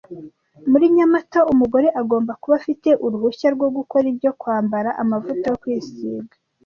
Muri Nyamata umugore agomba kuba afite uruhushya rwo gukora ibyo Kwambara Amavuta yo kwisiga